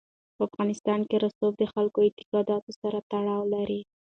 په افغانستان کې رسوب د خلکو اعتقاداتو سره تړاو لري.